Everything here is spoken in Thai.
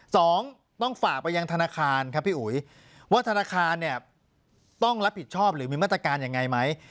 สองต้องฝากไปยังธนาคารครับพี่อุ๋ยว่าธนาคารเนี่ยต้องรับผิดชอบหรือมีมาตรการยังไงไหม